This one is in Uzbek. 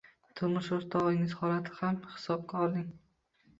Turmush o‘rtog‘ingiz holatini ham hisobga oling.